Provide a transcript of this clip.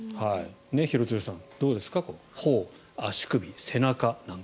廣津留さん、どうですか頬、足首、背中なんか。